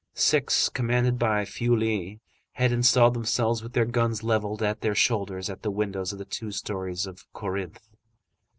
Six, commanded by Feuilly, had installed themselves, with their guns levelled at their shoulders, at the windows of the two stories of Corinthe.